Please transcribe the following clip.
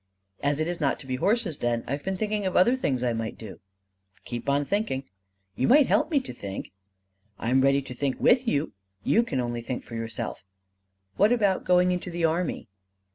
"As it is not to be horses, then, I have been thinking of other things I might do." "Keep on thinking." "You might help me to think." "I am ready to think with you; you can only think for yourself." "What about going into the army?"